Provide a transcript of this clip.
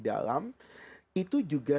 dalam itu juga